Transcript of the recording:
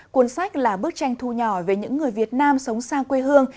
cuốn sách là bức tranh thu nhỏ về những người việt nam sống sang quê hương